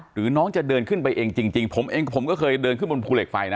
หรือน้องจะเดินขึ้นไปเองจริงผมเองผมก็เคยเดินขึ้นบนภูเหล็กไฟนะ